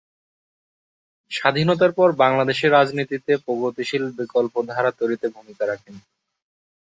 স্বাধীনতার পর বাংলাদেশের রাজনীতিতে প্রগতিশীল বিকল্প ধারা তৈরিতে ভূমিকা রাখেন।